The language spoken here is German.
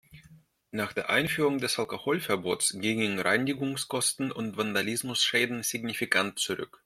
Nach der Einführung des Alkoholverbots gingen Reinigungskosten und Vandalismusschäden signifikant zurück.